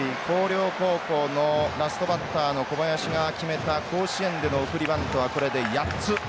広陵高校のラストバッターの小林が決めた甲子園での送りバントはこれで８つ。